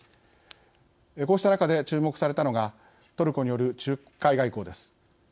こうした中で注目されたのがトルコによる仲介外交です。